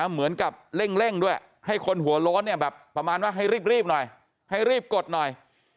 เหมือนกับเร่งด้วยให้คนหัวโล้นเนี่ยแบบประมาณว่าให้รีบหน่อยให้รีบกดหน่อย